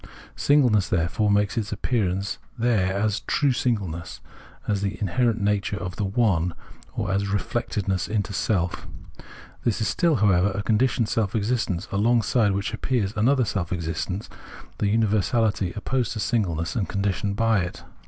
Singleness, therefore, makes its appear ance there as true singleness, as the inherent nature of the " one," or as reflectedness into self. This is still, however, a conditioned self existence alongside which appears another self existence, the universality opposed to singleness and conditioned by it.